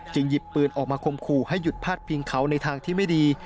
หยิบปืนออกมาคมขู่ให้หยุดพาดพิงเขาในทางที่ไม่ดี